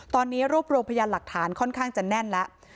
ตอนนี้รวบรวมพยานหลักฐานค่อนข้างจะแน่นแล้ว